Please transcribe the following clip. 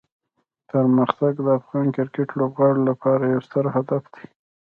پرمختګ د افغان کرکټ لوبغاړو لپاره یو ستر هدف دی.